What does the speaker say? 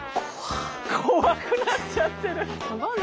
怖くなっちゃってる！